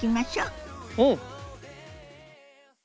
うん！